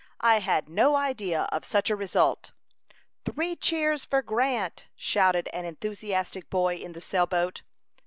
"I had no idea of such a result." "Three cheers for Grant!" shouted an enthusiastic boy in the sail boat.